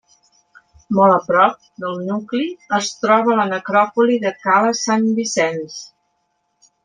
Molt a prop del nucli es troba la necròpoli de Cala Sant Vicenç.